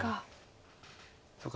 そっか